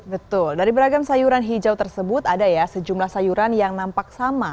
betul dari beragam sayuran hijau tersebut ada ya sejumlah sayuran yang nampak sama